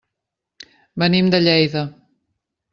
Venim de Lleida.